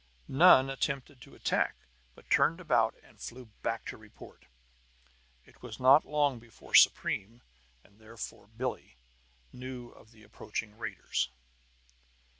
None attempted to attack, but turned about and flew back to report. It was not long before Supreme, and therefore Billie, knew of the approaching raiders.